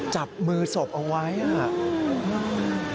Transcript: จับมือศพเอาไว้อ่ะ